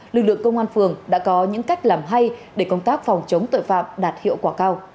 lực lượng công an phường đã có những cách làm hay để công tác phòng chống tội phạm đạt hiệu quả cao